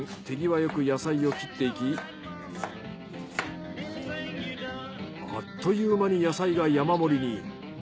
手際よく野菜を切っていきあっという間に野菜が山盛りに。